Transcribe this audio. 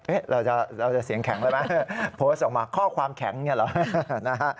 เราจะเสียงแข็งแล้วไหมโพสต์ออกมาข้อความแข็งเนี่ยเหรอนะฮะ